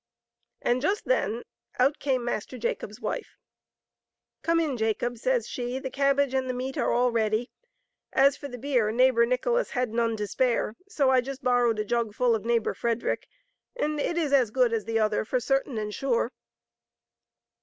And just then out came Master Jacob's wife. " Come in, Jacob/* says she, " the cabbage and the meat are all ready. As for the beer, Neighbor Nicholas had none to spare, so I just borrowed a jugful of Neighbor Frederick, and it is as good as the other for certain and sure."